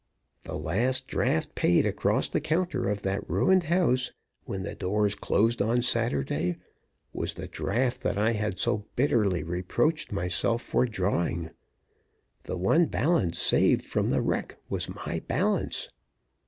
The last draft paid across the counter of that ruined house, when the doors closed on Saturday, was the draft that I had so bitterly reproached myself for drawing; the one balance saved from the wreck was my balance.